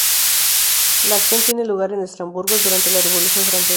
La acción tiene lugar en Estrasburgo durante la Revolución Francesa.